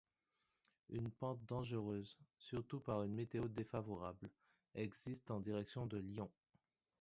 Une pente dangereuse, surtout par une météo défavorable, existe en direction de Lyon.